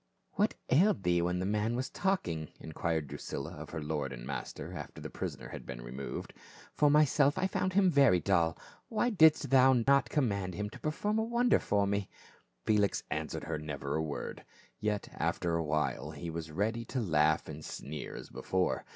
"What ailed thee when the man was talking?" enquired Drusilla of her lord and master, after the prisoner had been removed ;" for myself I found him very dull. Why didst thou not command him to per form a wonder for me ?" Felix answered her never a word. Yet after a while he was ready to laugh and sneer as before.